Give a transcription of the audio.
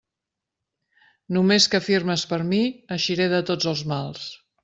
Només que firmes per mi, eixiré de tots els mals.